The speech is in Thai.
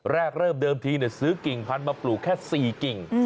แรกเริ่มเดิมทีซื้อกิ่งพันธุ์มาปลูกแค่๔กิ่ง